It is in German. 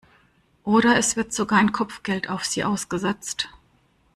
Oder es wird sogar ein Kopfgeld auf sie ausgesetzt.